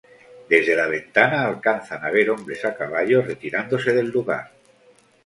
Desde la ventana alcanzan a ver hombres a caballo retirándose del lugar.